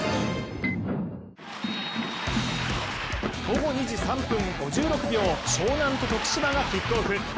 午後２時３分５６秒、湘南と徳島がキックオフ。